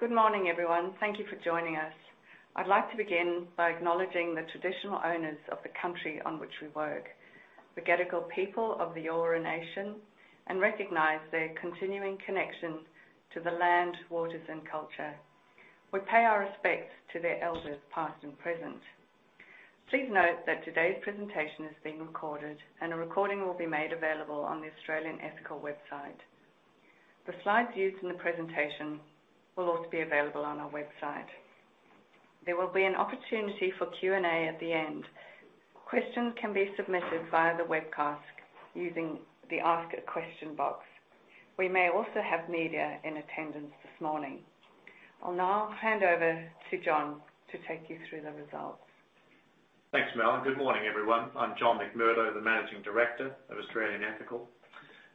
Good morning, everyone. Thank you for joining us. I'd like to begin by acknowledging the traditional owners of the country on which we work, the Gadigal people of the Eora Nation, and recognize their continuing connection to the land, waters, and culture. We pay our respects to their elders, past and present. Please note that today's presentation is being recorded, and a recording will be made available on the Australian Ethical website. The slides used in the presentation will also be available on our website. There will be an opportunity for Q&A at the end. Questions can be submitted via the webcast using the Ask a Question box. We may also have media in attendance this morning. I'll now hand over to John to take you through the results. Thanks, Mel, and good morning, everyone. I'm John McMurdo, the Managing director of Australian Ethical.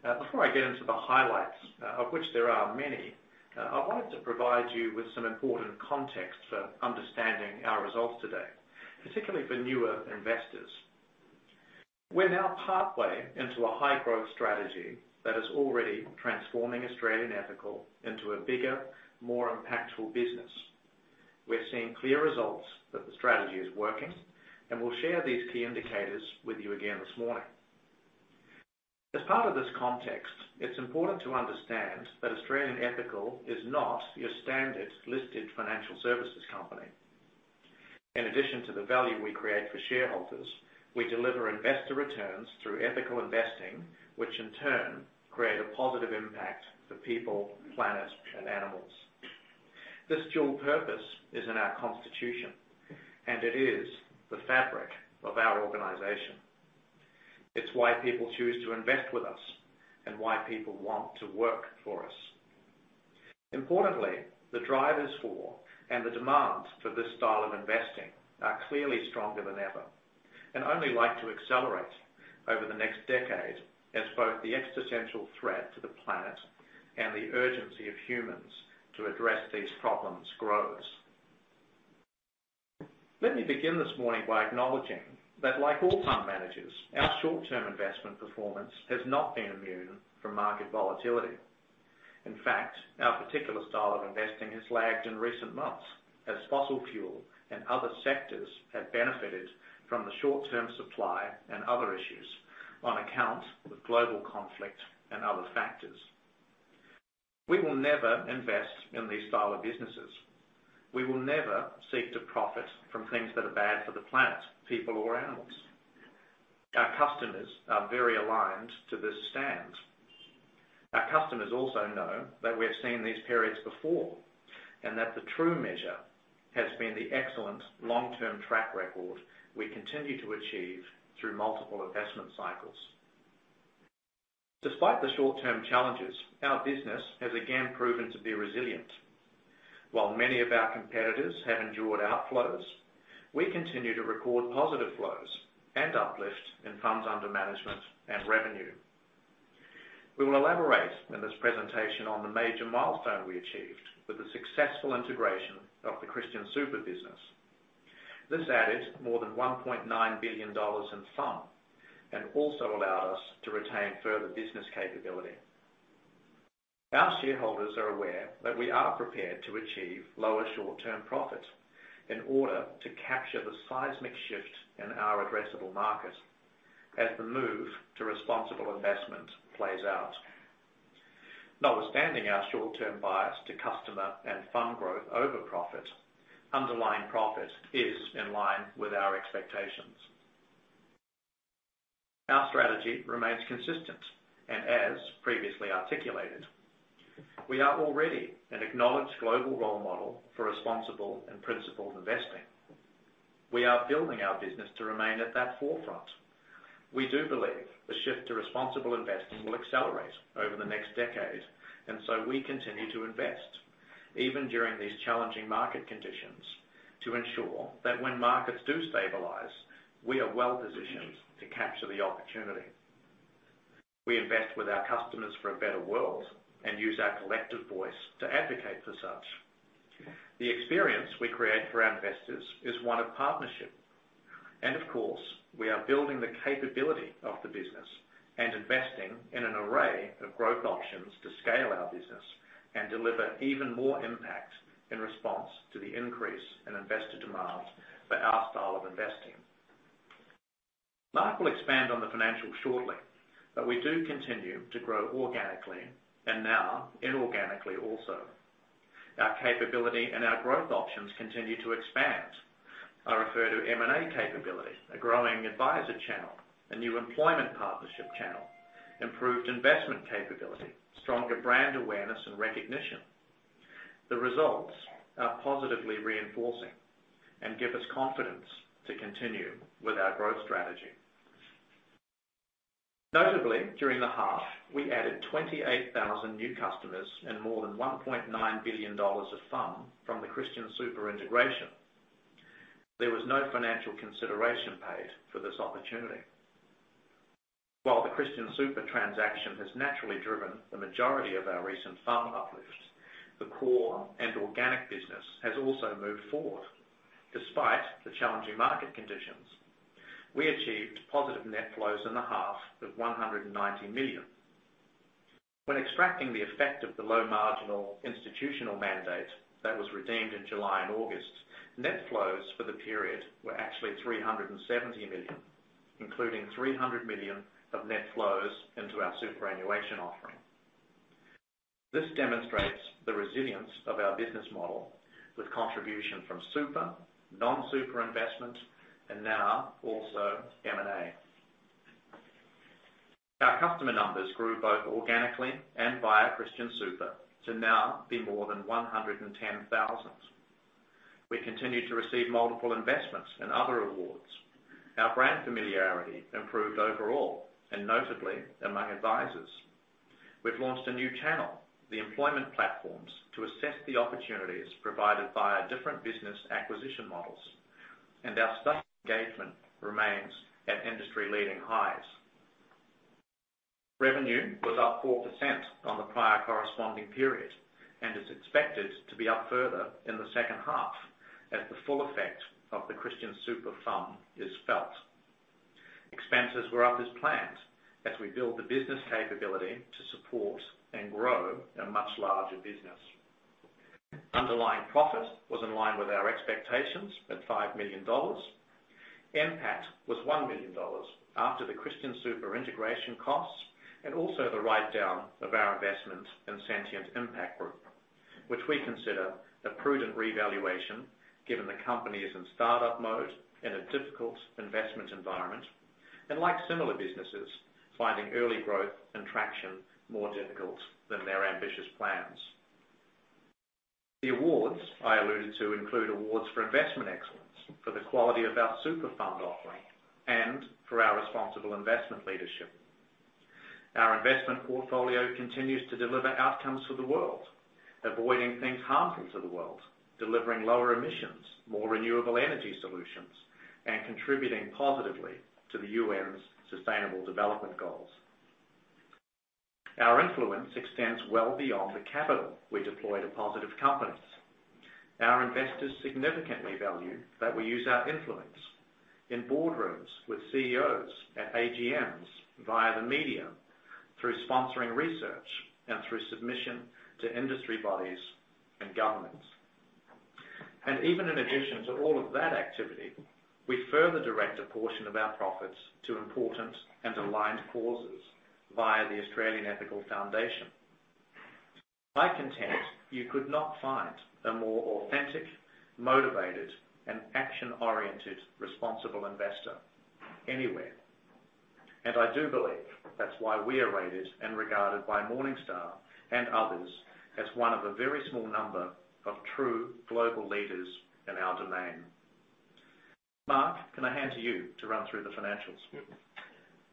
Before I get into the highlights, of which there are many, I wanted to provide you with some important context for understanding our results today, particularly for newer investors. We're now partway into a high-growth strategy that is already transforming Australian Ethical into a bigger, more impactful business. We're seeing clear results that the strategy is working, and we'll share these key indicators with you again this morning. As part of this context, it's important to understand that Australian Ethical is not your standard listed financial services company. In addition to the value we create for shareholders, we deliver investor returns through ethical investing, which in turn create a positive impact for people, planet, and animals. This dual purpose is in our constitution, and it is the fabric of our organization. It's why people choose to invest with us and why people want to work for us. Importantly, the drivers for and the demand for this style of investing are clearly stronger than ever and only like to accelerate over the next decade as both the existential threat to the planet and the urgency of humans to address these problems grows. Let me begin this morning by acknowledging that, like all fund managers, our short-term investment performance has not been immune from market volatility. In fact, our particular style of investing has lagged in recent months as fossil fuel and other sectors have benefited from the short-term supply and other issues on account with global conflict and other factors. We will never invest in these style of businesses. We will never seek to profit from things that are bad for the planet, people, or animals. Our customers are very aligned to this stand. Our customers also know that we have seen these periods before, and that the true measure has been the excellent long-term track record we continue to achieve through multiple investment cycles. Despite the short-term challenges, our business has again proven to be resilient. While many of our competitors have endured outflows, we continue to record positive flows and uplift in funds under management and revenue. We will elaborate in this presentation on the major milestone we achieved with the successful integration of the Christian Super business. This added more than 1.9 billion dollars in fund and also allowed us to retain further business capability. Our shareholders are aware that we are prepared to achieve lower short-term profits in order to capture the seismic shift in our addressable market as the move to responsible investment plays out. Notwithstanding our short-term bias to customer and fund growth over profit, underlying profit is in line with our expectations. Our strategy remains consistent and as previously articulated, we are already an acknowledged global role model for responsible and principled investing. We are building our business to remain at that forefront. We do believe the shift to responsible investing will accelerate over the next decade. We continue to invest, even during these challenging market conditions, to ensure that when markets do stabilize, we are well-positioned to capture the opportunity. We invest with our customers for a better world and use our collective voice to advocate for such. The experience we create for our investors is one of partnership. Of course, we are building the capability of the business and investing in an array of growth options to scale our business and deliver even more impact in response to the increase in investor demand for our style of investing. Mark will expand on the financials shortly, we do continue to grow organically and now inorganically also. Our capability and our growth options continue to expand. I refer to M&A capability, a growing advisor channel, a new employment partnership channel, improved investment capability, stronger brand awareness and recognition. The results are positively reinforcing and give us confidence to continue with our growth strategy. Notably, during the half, we added 28,000 new customers and more than 1.9 billion dollars of fund from the Christian Super integration. There was no financial consideration paid for this opportunity. While the Christian Super transaction has naturally driven the majority of our recent fund uplifts, the core and organic business has also moved forward, despite the challenging market conditions. We achieved positive net flows in the half of 190 million. When extracting the effect of the low marginal institutional mandate that was redeemed in July and August, net flows for the period were actually 370 million, including 300 million of net flows into our superannuation offering. This demonstrates the resilience of our business model with contribution from super, non-super investment, and now also M&A. Our customer numbers grew both organically and via Christian Super to now be more than 110,000. We continue to receive multiple investments and other awards. Our brand familiarity improved overall and notably among advisors. We've launched a new channel, the employment platforms, to assess the opportunities provided by our different business acquisition models. Our engagement remains at industry-leading highs. Revenue was up 4% on the prior corresponding period and is expected to be up further in the second half as the full effect of the Christian Super is felt. Expenses were up as planned as we built the business capability to support and grow a much larger business. Underlying profit was in line with our expectations at 5 million dollars. NPAT was 1 million dollars after the Christian Super integration costs and also the write-down of our investment in Sentient Impact Group, which we consider a prudent revaluation given the company is in start-up mode, in a difficult investment environment, and like similar businesses, finding early growth and traction more difficult than their ambitious plans. The awards I alluded to include awards for investment excellence, for the quality of our super fund offering, and for our responsible investment leadership. Our investment portfolio continues to deliver outcomes for the world, avoiding things harmful to the world, delivering lower emissions, more renewable energy solutions, and contributing positively to the UN's Sustainable Development Goals. Our influence extends well beyond the capital we deploy to positive companies. Our investors significantly value that we use our influence in boardrooms with CEOs at AGMs via the media, through sponsoring research, and through submission to industry bodies and governments. Even in addition to all of that activity, we further direct a portion of our profits to important and aligned causes via the Australian Ethical Foundation. I contend you could not find a more authentic, motivated, and action-oriented, responsible investor anywhere. I do believe that's why we are rated and regarded by Morningstar and others as one of a very small number of true global leaders in our domain. Mark, can I hand to you to run through the financials?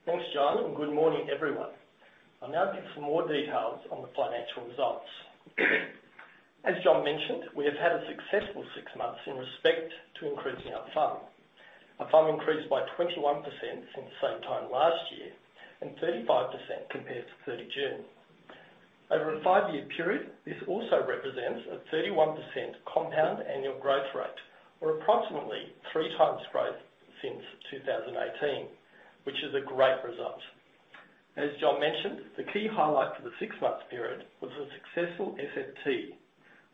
Thanks, John. Good morning, everyone. I'll now give some more details on the financial results. As John mentioned, we have had a successful six months in respect to increasing our fund. Our fund increased by 21% since the same time last year and 35% compared to 30 June. Over a five year period, this also represents a 31% compound annual growth rate or approximately 3x growth since 2018, which is a great result. As John mentioned, the key highlight for the six months period was a successful SFT,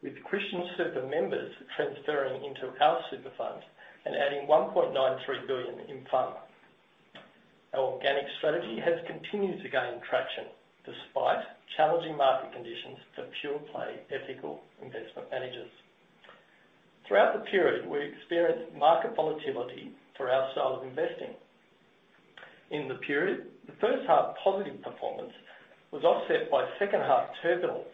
with Christian Super members transferring into our super funds and adding 1.93 billion in fund. Our organic strategy has continued to gain traction despite challenging market conditions for pure-play ethical investment managers. Throughout the period, we experienced market volatility for our style of investing. In the period, the first half positive performance was offset by second half turbulence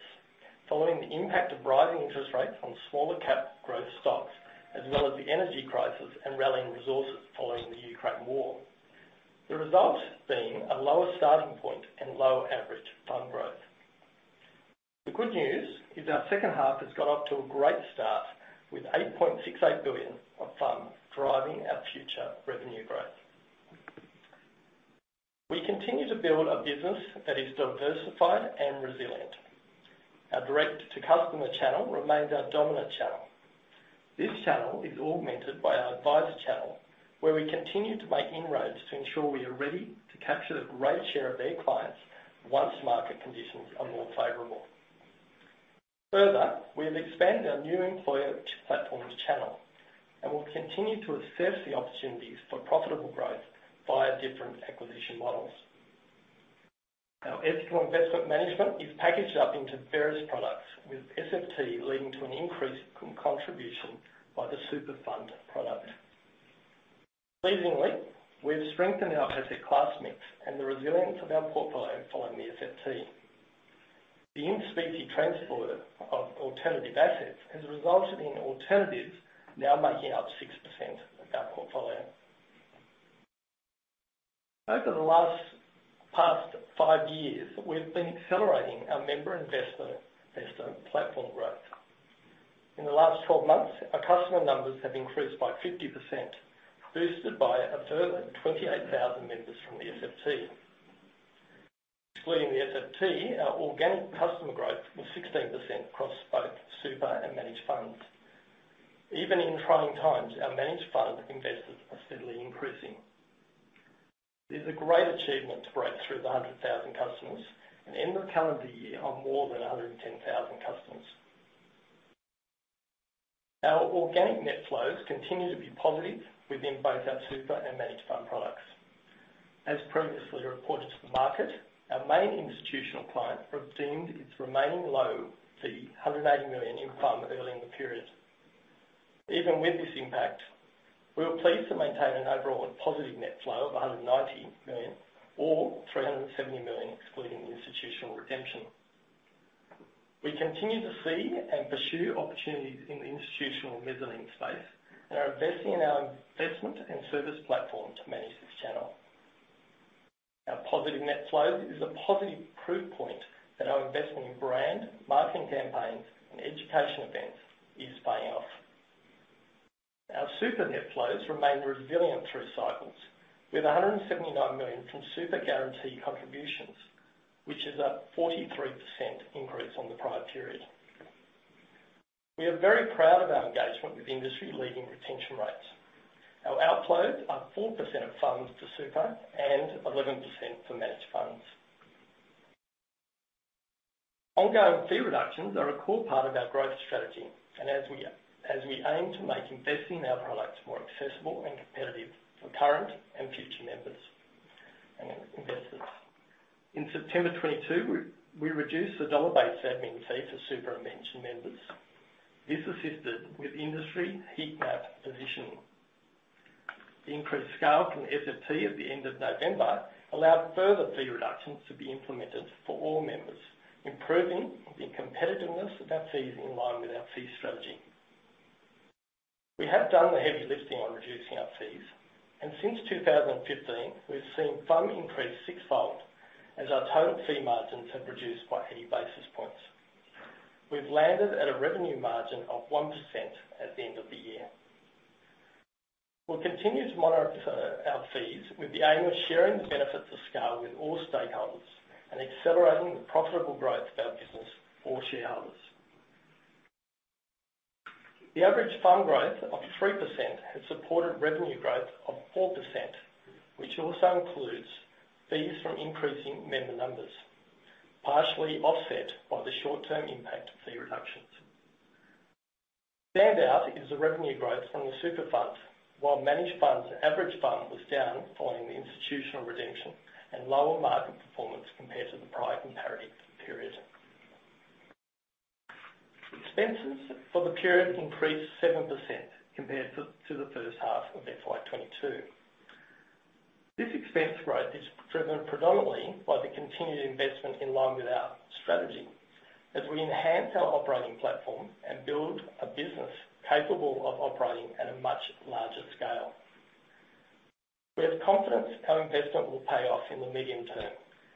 following the impact of rising interest rates on smaller cap growth stocks, as well as the energy crisis and rallying resources following the Ukraine war. Result being a lower starting point and lower average fund growth. Good news is our second half has got off to a great start with 8.68 billion of funds driving our future revenue growth. We continue to build a business that is diversified and resilient. Our direct-to-customer channel remains our dominant channel. This channel is augmented by our advisor channel, where we continue to make inroads to ensure we are ready to capture the great share of their clients once market conditions are more favorable. Further, we have expanded our new employer platforms channel and will continue to assess the opportunities for profitable growth via different acquisition models. Our ethical investment management is packaged up into various products, with SFT leading to an increase in contribution by the super fund product. Pleasingly, we've strengthened our asset class mix and the resilience of our portfolio following the SFT. The in-specie transport of alternative assets has resulted in alternatives now making up 6% of our portfolio. Over the last past five years, we've been accelerating our member investor platform growth. In the last 12 months, our customer numbers have increased by 50%, boosted by a further 28,000 members from the SFT. Excluding the SFT, our organic customer growth was 16% across both super and managed funds. Even in trying times, our managed fund investors are steadily increasing. This is a great achievement to break through the 100,000 customers and end the calendar year on more than 110,000 customers. Our organic net flows continue to be positive within both our super and managed fund products. As previously reported to the market, our main institutional client redeemed its remaining low fee, 180 million in fund early in the period. Even with this impact, we were pleased to maintain an overall positive net flow of 190 million or 370 million excluding the institutional redemption. We continue to see and pursue opportunities in the institutional mezzanine space and are investing in our investment and service platform to manage this channel. Our positive net flow is a positive proof point that our investment in brand, marketing campaigns and education events is paying off. Our Super net flows remain resilient through cycles with 179 million from Superannuation Guarantee contributions, which is a 43% increase on the prior period. We are very proud of our engagement with industry-leading retention rates. Our outflows are 4% of funds to super and 11% for managed funds. Ongoing fee reductions are a core part of our growth strategy, as we aim to make investing in our products more accessible and competitive for current and future members and investors. In September 2022, we reduced the dollar-based admin fee for super mentioned members. This assisted with industry heatmap positioning. The increased scale from SFT at the end of November allowed further fee reductions to be implemented for all members, improving the competitiveness of our fees in line with our fee strategy. We have done the heavy lifting on reducing our fees. Since 2015, we've seen funds increase six-fold as our total fee margins have reduced by 80 basis points. We've landed at a revenue margin of 1% at the end of the year. We'll continue to monitor our fees with the aim of sharing the benefits of scale with all stakeholders and accelerating the profitable growth of our business for shareholders. The average fund growth of 3% has supported revenue growth of 4%, which also includes fees from increasing member numbers, partially offset by the short-term impact fee reductions. Standout is the revenue growth from the super funds, while managed funds average fund was down following the institutional redemption and lower market performance compared to the prior comparative period. Expenses for the period increased 7% compared to the first half of FY 2022. This expense growth is driven predominantly by the continued investment in line with our strategy as we enhance our operating platform and build a business capable of operating at a much larger scale. We have confidence our investment will pay off in the medium term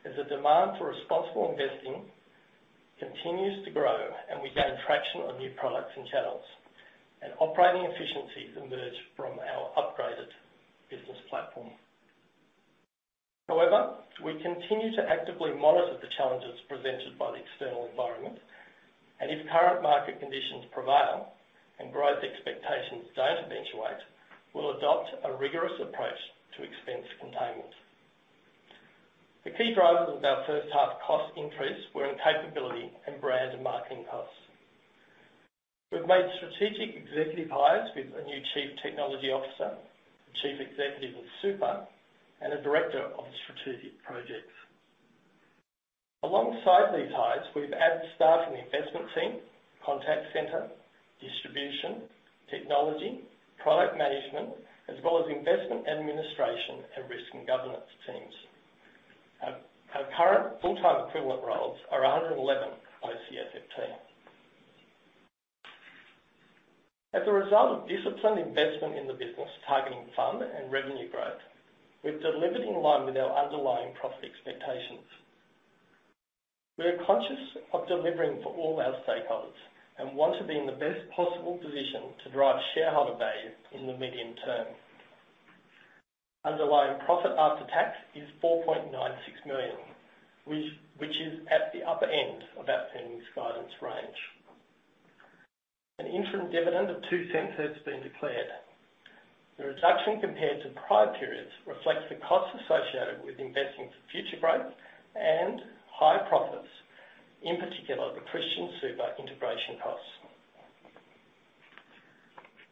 as the demand for responsible investing continues to grow and we gain traction on new products and channels, and operating efficiencies emerge from our upgraded business platform. However, we continue to actively monitor the challenges presented by the external environment, and if current market conditions prevail and growth expectations don't eventuate, we'll adopt a rigorous approach to expense containment. The key drivers of our first half cost increase were in capability and brand and marketing costs. We've made strategic executive hires with a new Chief Technology Officer, Chief Executive of Super, and a Director of Strategic Projects. Alongside these hires, we've added staff in the investment team, contact center, distribution, technology, product management, as well as investment administration and risk and governance teams. Our current full-time equivalent roles are 111 FTE. As a result of disciplined investment in the business targeting fund and revenue growth, we've delivered in line with our underlying profit expectations. We are conscious of delivering for all our stakeholders and want to be in the best possible position to drive shareholder value in the medium term. Underlying profit after tax is 4.96 million, which is at the upper end of our earnings guidance range. An interim dividend of 0.02 has been declared. The reduction compared to prior periods reflects the costs associated with investing for future growth and higher profits, in particular, the Christian Super integration costs.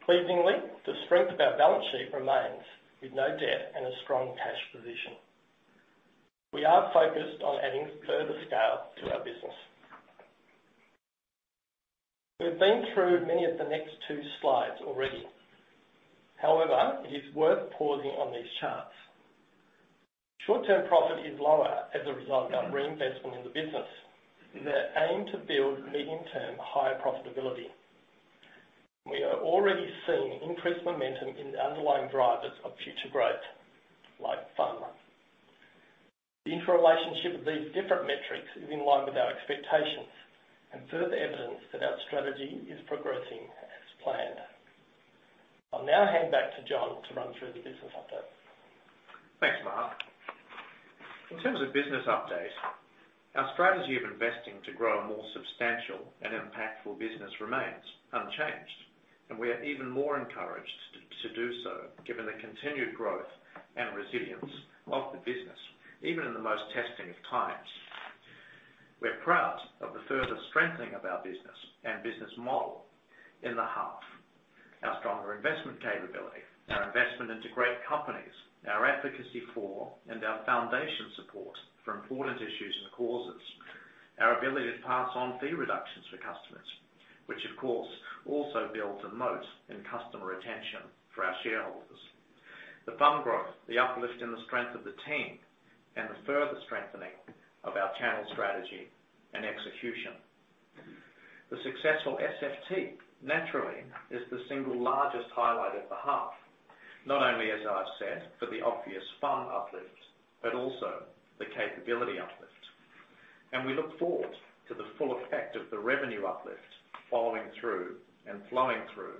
Pleasingly, the strength of our balance sheet remains with no debt and a strong cash position. We are focused on adding further scale to our business. We've been through many of the next two slides already. It is worth pausing on these charts. Short-term profit is lower as a result of our reinvestment in the business with the aim to build medium-term higher profitability. We are already seeing increased momentum in the underlying drivers of future growth, like fund. The interrelationship of these different metrics is in line with our expectations and further evidence that our strategy is progressing as planned. I'll now hand back to John to run through the business update. Thanks, Mark. In terms of business update, our strategy of investing to grow a more substantial and impactful business remains unchanged. We are even more encouraged to do so given the continued growth and resilience of the business, even in the most testing of times. We're proud of the further strengthening of our business and business model in the half. Our stronger investment capability, our investment into great companies, our efficacy for and our foundation support for important issues and causes, our ability to pass on fee reductions for customers, which of course also builds a moat in customer retention for our shareholders. The fund growth, the uplift in the strength of the team, the further strengthening of our channel strategy and execution. The successful SFT naturally is the single largest highlight of the half. Not only, as I've said, for the obvious fund uplift, but also the capability uplift. We look forward to the full effect of the revenue uplift following through and flowing through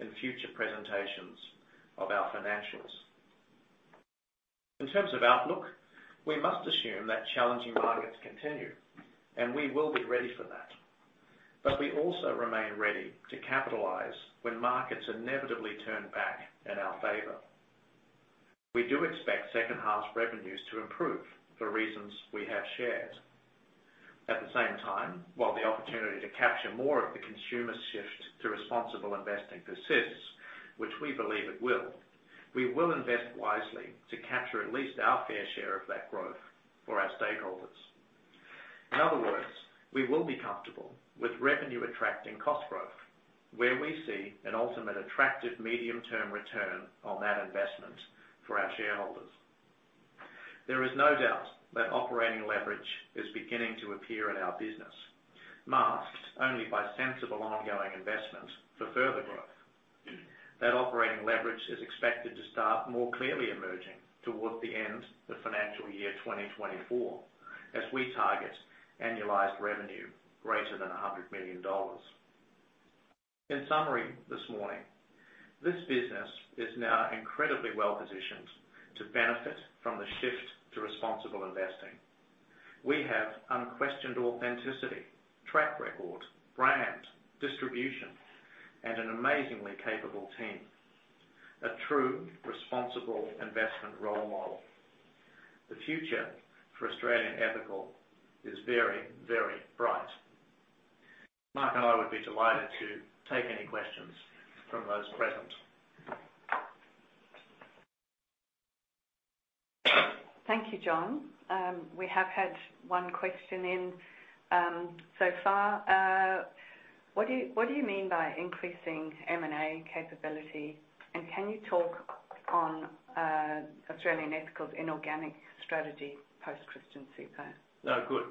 in future presentations of our financials. In terms of outlook, we must assume that challenging markets continue, and we will be ready for that. We also remain ready to capitalize when markets inevitably turn back in our favor. We do expect second half revenues to improve for reasons we have shared. At the same time, while the opportunity to capture more of the consumer shift to responsible investing persists, which we believe it will, we will invest wisely to capture at least our fair share of that growth for our stakeholders. In other words, we will be comfortable with revenue attracting cost growth where we see an ultimate attractive medium-term return on that investment for our shareholders. There is no doubt that operating leverage is beginning to appear in our business, masked only by sensible ongoing investments for further growth. That operating leverage is expected to start more clearly emerging towards the end of financial year 2024 as we target annualized revenue greater than 100 million dollars. In summary, this morning, this business is now incredibly well-positioned to benefit from the shift to responsible investing. We have unquestioned authenticity, track record, brand, distribution, and an amazingly capable team. A true responsible investment role model. The future for Australian Ethical is very, very bright. Mark and I would be delighted to take any questions from those present. Thank you, John. We have had one question in so far. What do you mean by increasing M&A capability? Can you talk on Australian Ethical's inorganic strategy post Christian Super? No. Good.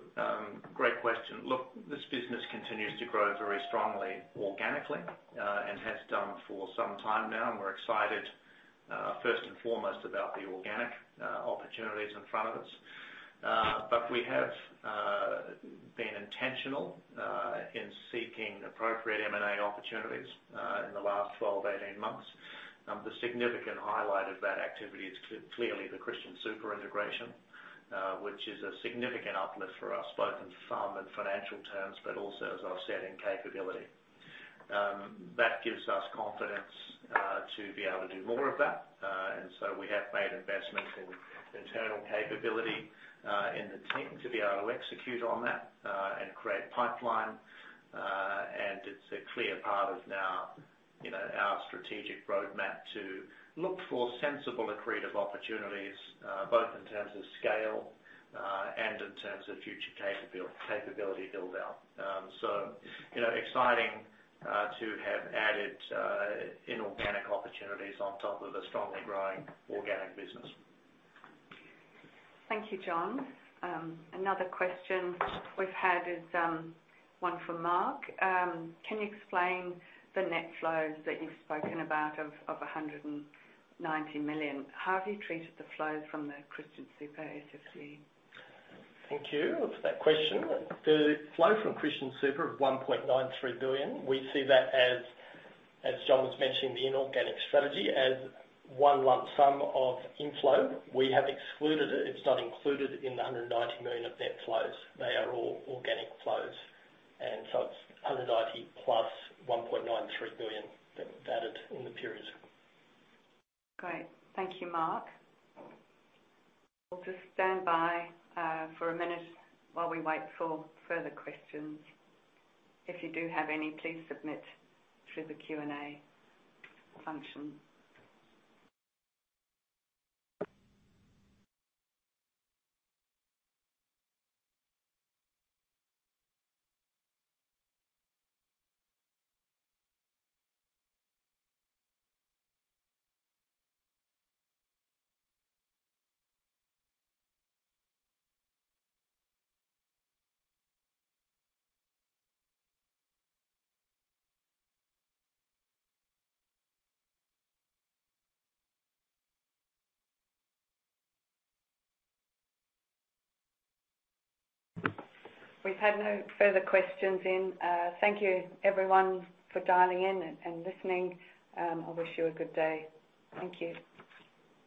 Great question. Look, this business continues to grow very strongly organically, and has done for some time now, and we're excited first and foremost about the organic opportunities in front of us. We have been intentional in seeking appropriate M&A opportunities in the last 12, 18 months. The significant highlight of that activity is clearly the Christian Super integration, which is a significant uplift for us, both in fund and financial terms, but also, as I was saying, capability. That gives us confidence to be able to do more of that. We have made investments in internal capability in the team to be able to execute on that and create pipeline. It's a clear part of now, you know, our strategic roadmap to look for sensible accretive opportunities, both in terms of scale, and in terms of future capability build-out. You know, exciting to have added inorganic opportunities on top of a strongly growing organic business. Thank you, John. Another question we've had is one for Mark. Can you explain the net flows that you've spoken about of 190 million? How have you treated the flows from the Christian Super SFC? Thank you for that question. The flow from Christian Super of 1.93 billion, we see that as John McMurdo was mentioning, the inorganic strategy as one lump sum of inflow. We have excluded it. It's not included in the 190 million of net flows. They are all organic flows. It's 190 plus 1.93 billion that added in the period. Great. Thank you, Mark. We'll just stand by for a minute while we wait for further questions. If you do have any, please submit through the Q&A function. We've had no further questions in. Thank you, everyone, for dialing in and listening. I wish you a good day. Thank you.